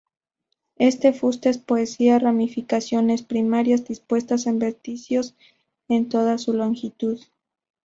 Este fuste poseía ramificaciones primarias dispuestas en verticilos en toda su longitud.